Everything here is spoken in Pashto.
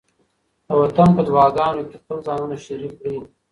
د وطن په دعاګانو کې خپل ځانونه شریک کړئ.